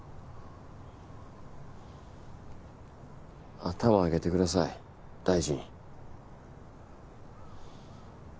頭上げてください大臣。